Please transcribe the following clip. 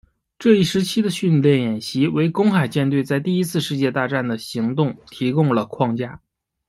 这一时期的训练演习为公海舰队在第一次世界大战的行动提供了框架。